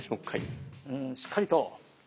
うんしっかりと。